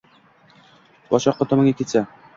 Boshi oqqan tomonga ketsa.